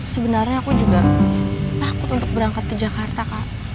sebenarnya aku juga takut untuk berangkat ke jakarta kak